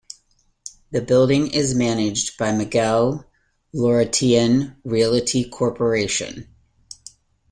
The building is managed by Magil Laurentian Realty Corporation.